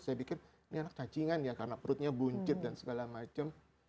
saya pikir ini anak cacingan ya karena perutnya buncit dan segala macam